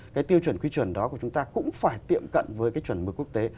cái tiêu chuẩn quy chuẩn đó của chúng ta cũng phải tiệm cận với cái chuẩn mực quốc tế